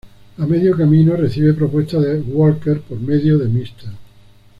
A medio camino recibe propuesta de Walker por medio Mr.